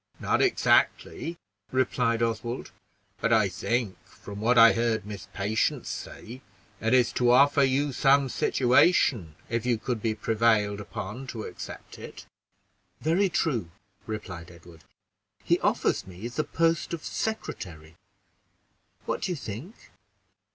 "Not exactly," replied Oswald; "but I think, from what I heard Miss Patience say, it is to offer you some situation, if you could be prevailed upon to accept it." "Very true," replied Edward; "he offers me the post of secretary. What do you think?"